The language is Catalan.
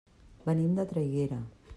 Venim de Traiguera.